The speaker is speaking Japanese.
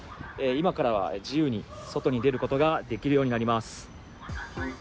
今からは自由に外に出ることができるようになります。